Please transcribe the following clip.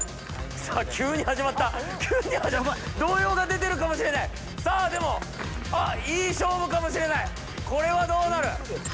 さあ急に始まった動揺が出てるかもしれないさあでもいい勝負かもしれないこれはどうなる？